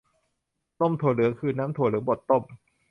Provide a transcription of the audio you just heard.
นมถั่วเหลือง คือน้ำถั่วเหลืองบดต้ม